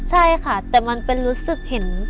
ใช่ค่ะแต่มันเป็นรู้สึกเห็น